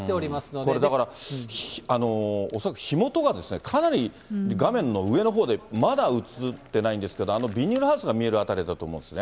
これだから、恐らく火元が、かなり画面の上のほうで、まだ移っていないんですけれども、あのビニールハウスが見える辺りだと思うんですね。